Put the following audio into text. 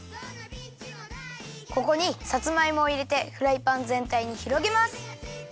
ここにさつまいもをいれてフライパンぜんたいにひろげます。